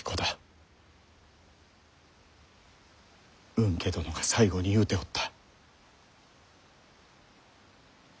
吽慶殿が最期に言うておった。